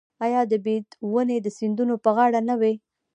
آیا د بید ونې د سیندونو په غاړه نه وي؟